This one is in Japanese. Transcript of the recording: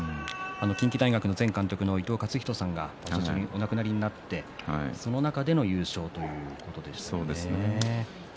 近畿大学前監督の伊東勝人さんがお亡くなりになってその中の優勝ということでしたね。